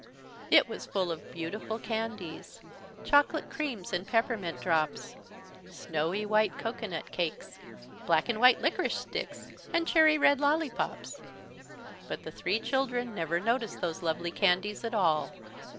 It was full of beautiful candies, chocolate creams and peppermint drops, snowy white cocoanut cakes, black and white licorice sticks, and cherry red lollypops. But the three children never noticed those lovely candies at all.